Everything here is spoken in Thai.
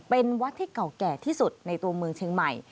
เป็นวัดที่เก่าแก่ที่สุดในตัวเมืองเชียงใหม่